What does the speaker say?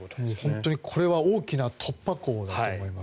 本当にこれは大きな突破口だと思います。